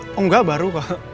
oh enggak baru kok